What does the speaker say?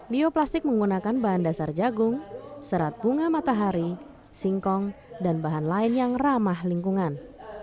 bioplastik menggunakan bahan dasar jagung serat bunga matahari singkong dan bahan lain yang ramah lingkungan